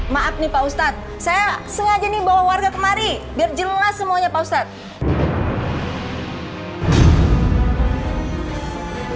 maaf nih pak ustadz saya sengaja nih bawa warga kemari biar jelas semuanya pak ustadz